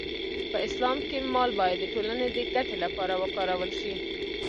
په اسلام کې مال باید د ټولنې د ګټې لپاره وکارول شي.